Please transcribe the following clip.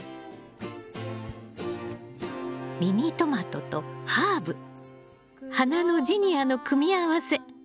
ミニトマトとハーブ花のジニアの組み合わせ。